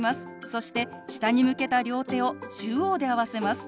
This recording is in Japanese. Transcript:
そして下に向けた両手を中央で合わせます。